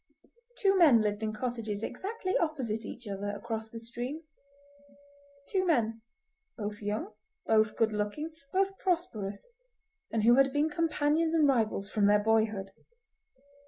Two men lived in cottages exactly opposite each other across the stream. Two men, both young, both good looking, both prosperous, and who had been companions and rivals from their boyhood.